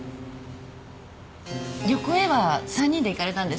旅行へは３人で行かれたんですか？